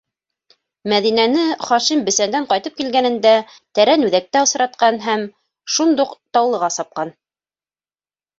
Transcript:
- Мәҙинәне Хашим бесәндән ҡайтып килгәнендә, Тәрән үҙәктә осратҡан и һәм шундуҡ Таулыға сапҡан.